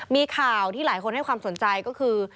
มีข่าวที่หลายคนให้ความสนใจก็คือ